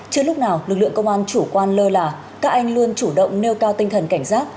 chưa lúc nào lực lượng công an chủ quan lơ là các anh luôn chủ động nêu cao tinh thần cảnh giác